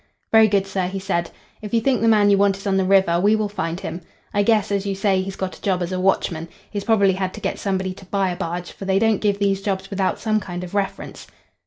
"Very good, sir," he said. "If you think the man you want is on the river, we will find him. I guess, as you say, he's got a job as a watchman. He's probably had to get somebody to buy a barge, for they don't give these jobs without some kind of reference."